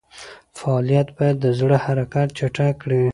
فعالیت باید د زړه حرکت چټک کړي.